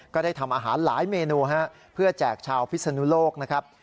ก็ได้ทำอาหารหลายเมนูฮะเพื่อแจกชาวพิศนุโลกนะครับ